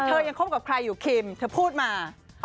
ยังคบกับใครอยู่คิมเธอพูดมา